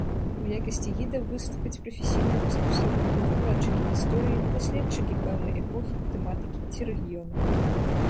У якасці гідаў выступяць прафесійныя экскурсаводы, выкладчыкі гісторыі, даследчыкі пэўнай эпохі, тэматыкі ці рэгіёна.